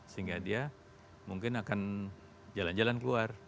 sehingga dia mungkin akan jalan jalan keluar